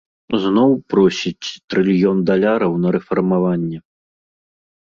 Зноў просіць трыльён даляраў на рэфармаванне.